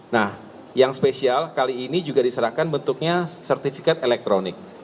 nah yang spesial kali ini juga diserahkan bentuknya sertifikat elektronik